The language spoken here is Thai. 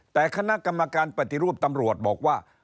แต่คณะกรรมการปฏิรูปตำรวจบอกว่า